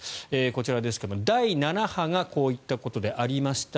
こちらですが第７波がこういったことでありました。